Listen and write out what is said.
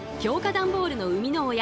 段ボールの生みの親